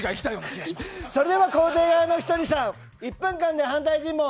それでは肯定側のひとりさん１分間で反対尋問